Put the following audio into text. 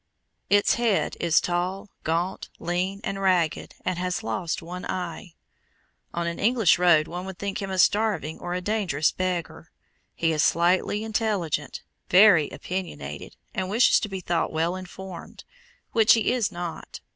Its head is tall, gaunt, lean, and ragged, and has lost one eye. On an English road one would think him a starving or a dangerous beggar. He is slightly intelligent, very opinionated, and wishes to be thought well informed, which he is not.